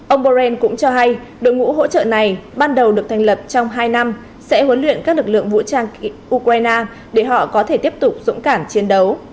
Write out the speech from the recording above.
ông borrell cũng cho hay đội ngũ hỗ trợ này ban đầu được thành lập trong hai năm sẽ huấn luyện các lực lượng vũ trang ukraine để họ có thể tiếp tục dũng cảm chiến đấu